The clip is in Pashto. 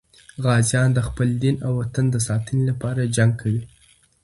غازیان د خپل دین او وطن د ساتنې لپاره جنګ کوي.